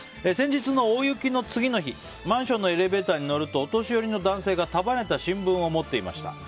先日の大雪の次の日マンションのエレベーターに乗るとお年寄りの男性が束ねた新聞を持っていました。